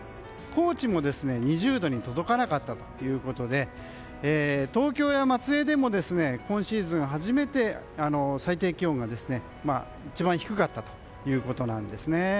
高知も２０度に届かなかったということで東京や松江でも今シーズン初めて最低気温が一番低かったということです。